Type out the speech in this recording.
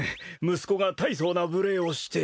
息子が大層な無礼をして。